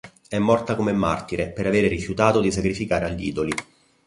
È morta come martire per avere rifiutato di sacrificare agli idoli.